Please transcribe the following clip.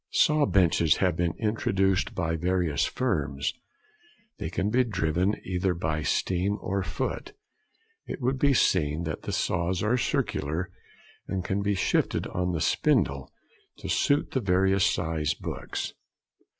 Saw benches have been introduced by various firms. They can be driven either by steam or foot. It will be seen that the saws are circular, and can be shifted on the spindle to suit the various sized books.